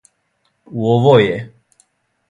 У овој је!